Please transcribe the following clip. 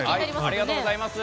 ありがとうございます。